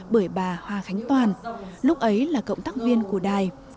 bởi bà hoa khánh toàn lúc ấy là cộng tác viên của đài